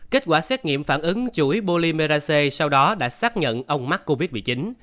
kết quả xét nghiệm phản ứng chuỗi bolimerac sau đó đã xác nhận ông mắc covid một mươi chín